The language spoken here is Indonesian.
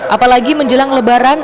apalagi menjelang lebaran